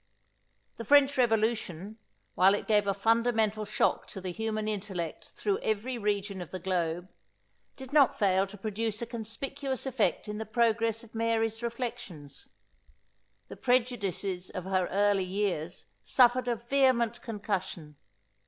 The French revolution, while it gave a fundamental shock to the human intellect through every region of the globe, did not fail to produce a conspicuous effect in the progress of Mary's reflections. The prejudices of her early years suffered a vehement concussion.